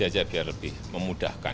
saja biar lebih memudahkan